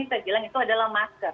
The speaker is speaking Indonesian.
saya bilang itu adalah masker